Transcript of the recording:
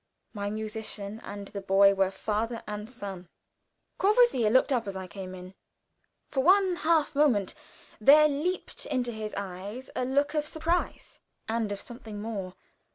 My musician and the boy were father and son. Courvoisier looked up as I came in. For one half moment there leaped into his eyes a look of surprise and of something more.